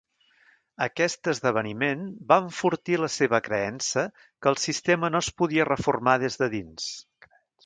Aquest esdeveniment va enfortir la seva creença que el sistema no es podia reformar des de dins.